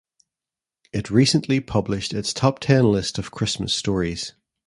It recently published its Top Ten list of Christmas stories.